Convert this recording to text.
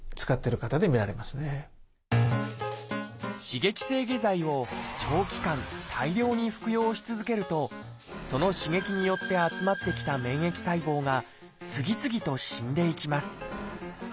刺激性下剤を長期間大量に服用し続けるとその刺激によって集まってきた免疫細胞が次々と死んでいきます。